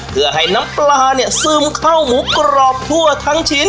เพื่อให้น้ำปลาเนี่ยซึมเข้าหมูกรอบทั่วทั้งชิ้น